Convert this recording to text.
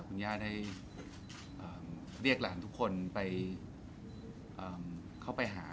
คุณย่าได้เรียกหลานทุกคนไปเข้าไปหา